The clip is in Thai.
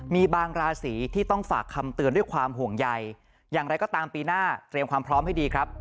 มีบางราศีที่ต้องฝากคำเตือนด้วยความห่วงใยอย่างไรก็ตามปีหน้าเตรียมความพร้อมให้ดีครับ